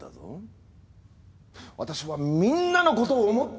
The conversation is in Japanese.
私はみんなのことを思って。